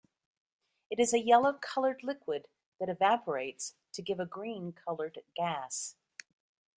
It is a yellow-colored liquid that evaporates to give a green-colored gas.